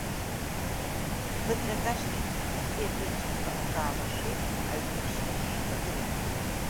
Ԥыҭрак ашьҭахь, хыхьтәи аԥенџьырқәа акы аалашеит аҩны ԥшьбаны еихагылан.